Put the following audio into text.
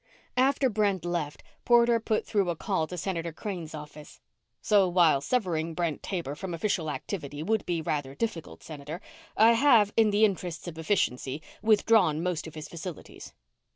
After Brent left, Porter put through a call to Senator Crane's office. "... so, while severing Brent Taber from official activity would be rather difficult, Senator, I have, in the interests of efficiency, withdrawn most of his facilities."